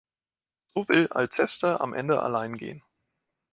So will Alceste am Ende allein gehen.